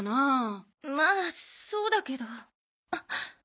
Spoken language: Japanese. まあそうだけどあっ。